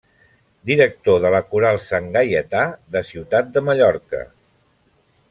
Director de la coral Sant Gaietà de Ciutat de Mallorca.